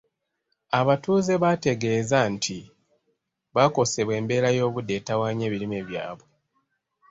Abatuuze baategeeza nti bakosebwa embeera y’obudde etawaanya ebirime byabwe.